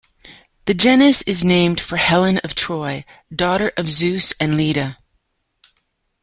The genus is named for Helen of Troy, daughter of Zeus and Leda.